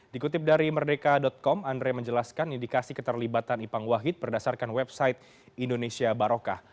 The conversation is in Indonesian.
dikutip dari merdeka com andre menjelaskan indikasi keterlibatan ipang wahid berdasarkan website indonesia barokah